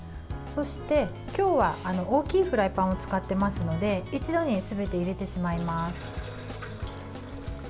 そして、今日は大きいフライパンを使っていますので一度にすべて入れてしまいます。